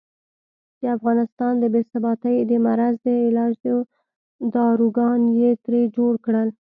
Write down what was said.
د افغانستان د بې ثباتۍ د مرض د علاج داروګان یې ترې جوړ کړل.